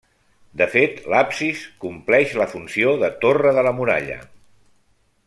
De fet, l'absis compleix la funció de torre de la muralla.